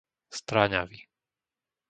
Stráňavy